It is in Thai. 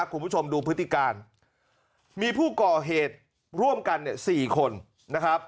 คุณผู้ชมดูพฤติการมีผู้ก่อเหตุร่วมกันเนี่ย๔คนนะครับ